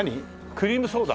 クリームソーダ？